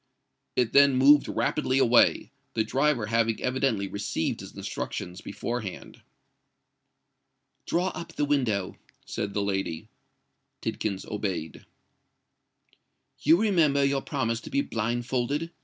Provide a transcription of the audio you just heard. It then moved rapidly away—the driver having evidently received his instructions before hand. "Draw up the window," said the lady. Tidkins obeyed. "You remember your promise to be blindfolded?"